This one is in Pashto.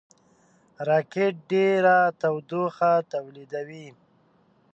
راکټ ډېره تودوخه تولیدوي